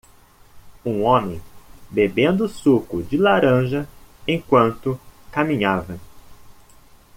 Um homem bebendo suco de laranja enquanto caminhava.